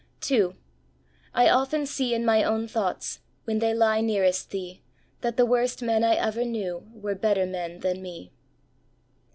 2. " I often see in my own thoughts, When they lie nearest Thee, That the worst men I ever knew Were better men than me.